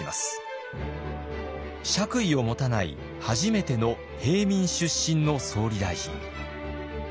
爵位を持たない初めての平民出身の総理大臣。